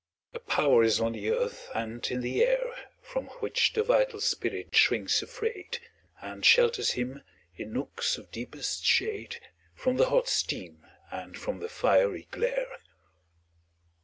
A power is on the earth and in the air From which the vital spirit shrinks afraid, And shelters him, in nooks of deepest shade, From the hot steam and from the fiery glare.